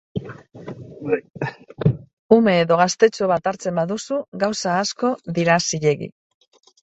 Ume edo gaztetxo bat hartzen baduzu, gauza asko dira zilegi.